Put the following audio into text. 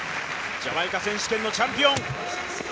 ジャマイカ選手権のチャンピオン。